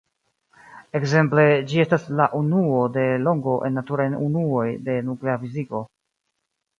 Ekzemple, ĝi estas la unuo de longo en naturaj unuoj de nuklea fiziko.